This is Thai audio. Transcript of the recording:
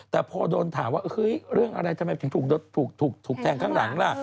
แต่พอโดนถามว่าเฮ้ยเรื่องอะไรทำไมถึงถูกแทงข้างหลังล่ะ